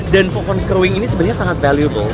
dan pohon keruing ini sebenarnya sangat berharga